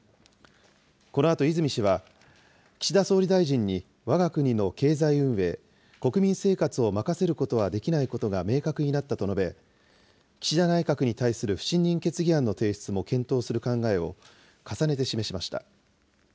このあと泉氏は、岸田総理大臣に、わが国の経済運営、国民生活を任せることはできないことが明確になったと述べ、岸田内閣に対する不信任決議案の提出も検討する考えを重ねて示しました。